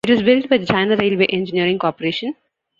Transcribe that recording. It was built by the China Railway Engineering Corporation.